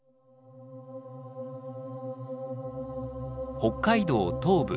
北海道東部